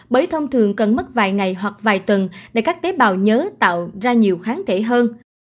bởi thông thường cần mất vài ngày hoặc vài tuần để các tế bào nhớ tạo ra nhiều kháng thể hơn